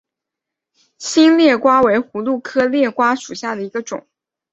新裂瓜为葫芦科裂瓜属下的一个种。